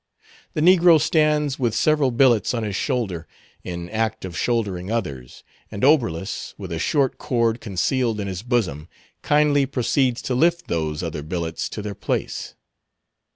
The negro stands with several billets on his shoulder, in act of shouldering others; and Oberlus, with a short cord concealed in his bosom, kindly proceeds to lift those other billets to their place.